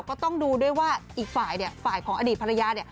ก็ต้องดูด้วยว่าอีกฝ่ายฝ่ายของอดีตภรรยา